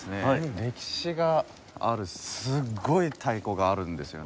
歴史があるすごい太鼓があるんですよね。